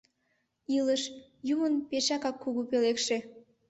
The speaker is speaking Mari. Илыш — Юмын пешакак кугу пӧлекше.